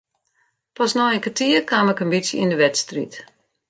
Pas nei in kertier kaam ik in bytsje yn de wedstriid.